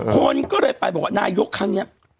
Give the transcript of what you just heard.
คนก็เลยไปบอกว่านายกครั้งนี้